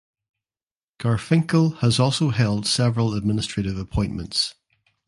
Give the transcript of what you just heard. Garfinkel has also held several administrative appointments.